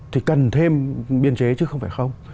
thì cần thêm biên chế chứ không phải không